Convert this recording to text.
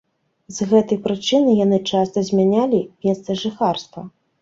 З гэтай прычына яны часта змянялі месца жыхарства.